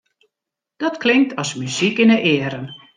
Dat klinkt as muzyk yn 'e earen.